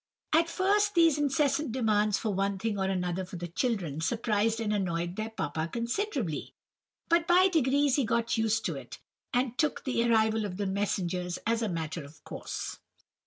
"At first these incessant demands for one thing or another for the children, surprised and annoyed their papa considerably, but by degrees he got used to it, and took the arrival of the messengers as a matter of course.